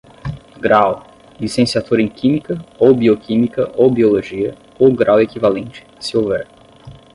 Grau: Licenciatura em Química, ou Bioquímica ou Biologia, ou grau equivalente, se houver.